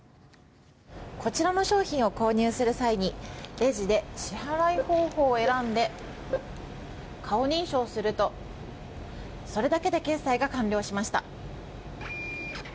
こちらの商品を購入する際にレジで支払方法を選んで顔認証をするとそれだけで決済が完了しました。